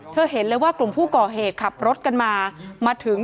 เห็นเลยว่ากลุ่มผู้ก่อเหตุขับรถกันมามาถึง